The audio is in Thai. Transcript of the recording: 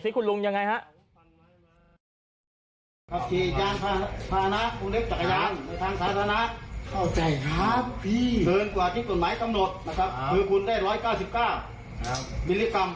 สุดท้ายตำรวจนะครับคือคุณได้๑๙๙มิลลิกรัมนะครับ